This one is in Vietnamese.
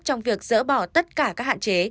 trong việc dỡ bỏ tất cả các hạn chế